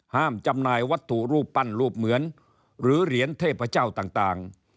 จำหน่ายวัตถุรูปปั้นรูปเหมือนหรือเหรียญเทพเจ้าต่าง